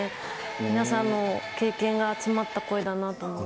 皆さんの経験が集まった声だなと思います。